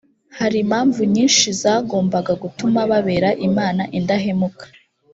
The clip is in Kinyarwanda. hari impamvu nyinshi zagombaga gutuma babera imana indahemuka